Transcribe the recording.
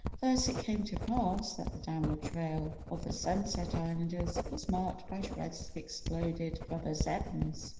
Thus it came to pass that the downward trail of the Sunset Islanders was marked by shreds of exploded rubber "Zeppelins."